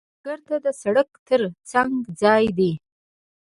سوالګر ته د سړک تر څنګ ځای دی